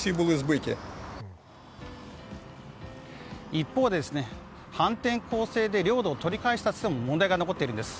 一方で、反転攻勢で領土を取り返したとしても問題が残っているんです。